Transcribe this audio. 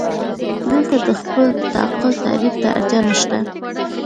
دلته د خپل تعقل تعریف ته اړتیا نشته.